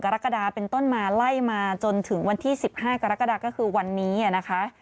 กรกฎาเป็นต้นมาไล่มาจนถึงวันที่๑๕กรกฎาก็คือวันนี้นะคะ